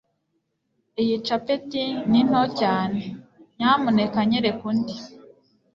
Iyi capeti ni nto cyane. Nyamuneka nyereka undi.